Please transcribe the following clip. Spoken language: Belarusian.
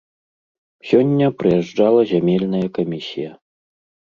Сёння прыязджала зямельная камісія.